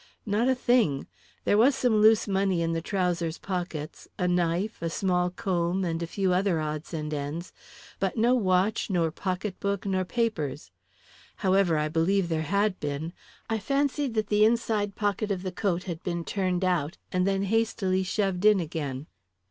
"Not a thing. There was some loose money in the trousers pockets, a knife, a small comb, and a few other odds and ends, but no watch nor pocketbook nor papers. However, I believe there had been. I fancied that the inside pocket of the coat had been turned out and then hastily shoved in again.